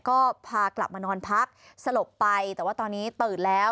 ก็พากลับมานอนพักสลบไปแต่ว่าตอนนี้ตื่นแล้ว